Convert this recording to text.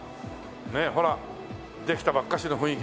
ねえほらできたばっかしの雰囲気でしょ。